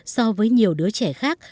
so với nhiều đứa trẻ khác